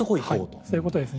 そういうことですね。